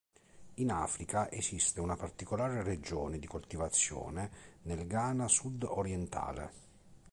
In Africa, esiste una particolare regione di coltivazione nel Ghana sud-orientale.